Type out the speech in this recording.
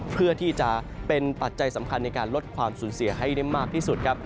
เพื่อที่จะเป็นปัจจัยสำคัญในการลดความสูญเสียให้ได้มากที่สุดครับ